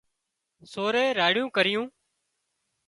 سورئي راڙيون ڪريون